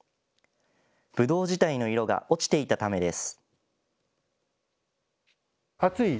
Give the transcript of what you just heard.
ぶどう自体の色が落ちていたためです。